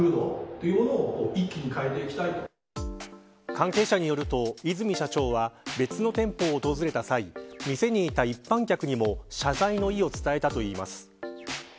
関係者によると、和泉社長は別の店舗を訪れた際店にいた一般客にも謝罪の意を伝えたといいます。